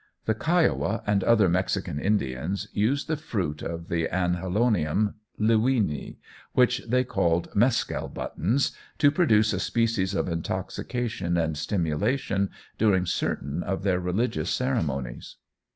The Kiowa and other Mexican Indians use the fruit of the Anhelonium Lewinii, which they call "mescal buttons," to produce a species of intoxication and stimulation during certain of their religious ceremonies.